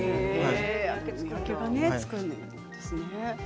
見分けがつくんですね。